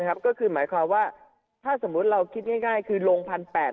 หมายความว่าว่าถ้าสมมุติเราคิดง่ายคือลง๑๘๐๐แล้ว